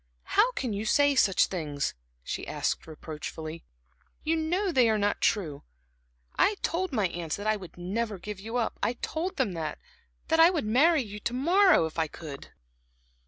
"How can you say such things," she asked reproachfully. "You know they are not true. I told my aunts that I would never give you up; I told them that that I would marry you to morrow, if I could."